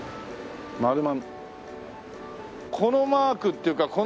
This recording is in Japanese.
このマークっていうか